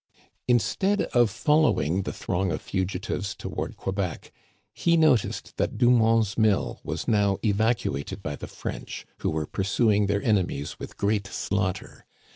Instead of following the throng of fugitives toward Quebec, he noticed that Dumont's Mill was now evacuated by the French, who were pursuing their enemies with great slaughter.